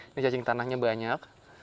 ini cacing tanahnya banyak